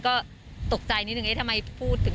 ก็ตกใจนิดนึงเอ๊ะทำไมพูดถึง